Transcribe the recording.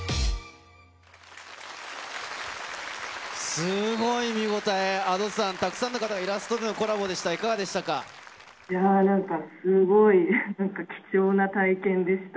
すごい見応え、Ａｄｏさん、たくさんの方がイラストでのコラボでした。